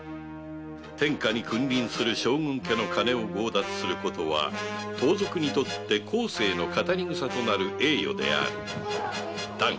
天下に君臨する将軍家の金を強奪することは盗賊にとって後世の語り草となる栄誉であるだが